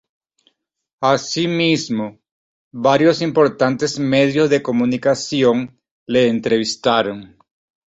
Así mismo, varios importantes medios de comunicación le entrevistaron.